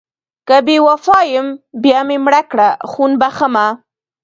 که بې وفا یم بیا مې مړه کړه خون بښمه...